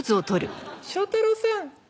「将太郎さん